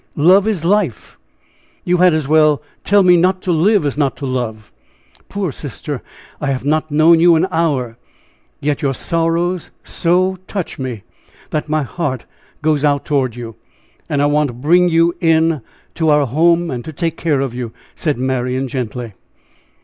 Love is life. You had as well tell me not to live as not to love. Poor sister! I have not known you an hour, yet your sorrows so touch me, that my heart goes out toward you, and I want to bring you in to our home, and take care of you," said Marian, gently.